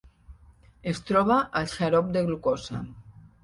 Es troba al xarop de glucosa.